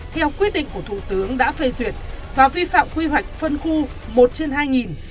theo quyết định của thủ tướng đã phê duyệt và vi phạm quy hoạch phân khu một trên hai